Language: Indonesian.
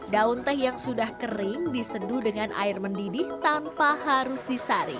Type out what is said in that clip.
daun teh yang sudah kering diseduh dengan air mendidih tanpa harus disaring